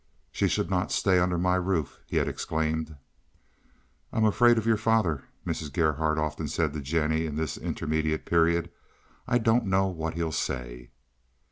"She should not stay under my roof!" he had exclaimed. "I'm so afraid of your father," Mrs. Gerhardt often said to Jennie in this intermediate period. "I don't know what he'll say."